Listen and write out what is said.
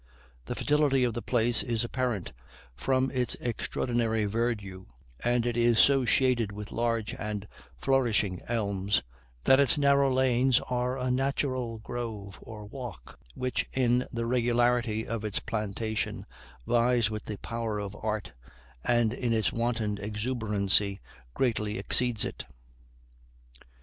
The fertility of the place is apparent from its extraordinary verdure, and it is so shaded with large and flourishing elms, that its narrow lanes are a natural grove or walk, which, in the regularity of its plantation, vies with the power of art, and in its wanton exuberancy greatly exceeds it.